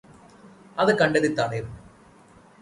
അത് കണ്ടെത്തി തടയും.